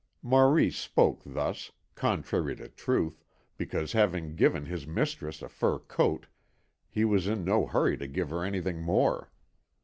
Maurice spoke thus, contrary to truth, because having given his mistress a fur coat, he was in no hurry to give her anything more.